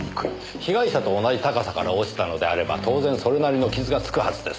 被害者と同じ高さから落ちたのであれば当然それなりの傷がつくはずです。